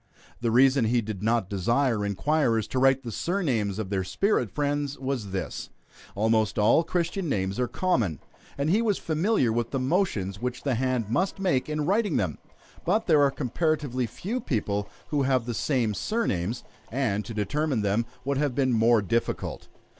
The reason he did not desire inquirers to write the surnames of their spirit friends, was this: almost all Christian names are common, and he was familiar with the motions which the hand must make in writing them; but there are comparatively few people who have the same surnames, and to determine them would have been more difficult.